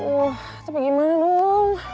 wah tapi gimana dong